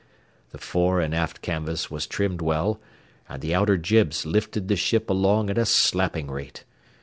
The fore and aft canvas was trimmed well, and the outer jibs lifted the ship along at a slapping rate.